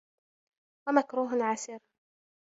وَمَكْرُوهٍ عَسِرٍ